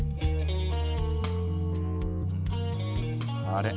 あれ？